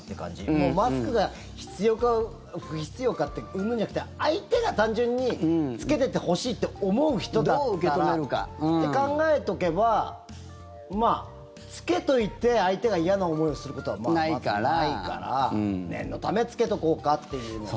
もうマスクが必要か不必要かうんぬんじゃなくて相手が単純に着けててほしいって思う人だったらって考えておけば着けといて相手が嫌な思いをすることはまあ、まずないから念のため着けとこうかっていうのは。